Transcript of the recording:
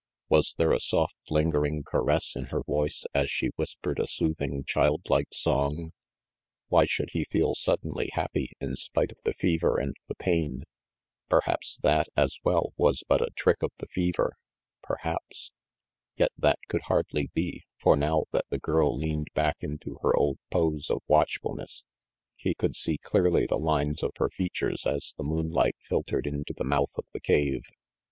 Was there a soft, lingering caress in her voice as she whispered a soothing, child like song? Why should he feel suddenly happy, in spite of the fever and the pain? Perhaps that, as well, was but a trick of the fever, perhaps. Yet that could hardly be, for now that the girl leaned back into her old pose of watchfulness, he could see clearly the lines of her features as the moon light filtered into the mouth of the cave.